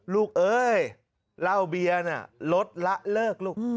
เอ้ยเหล้าเบียร์น่ะลดละเลิกลูก